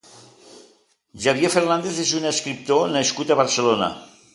Xavier Fernández és un escriptor nascut a Barcelona.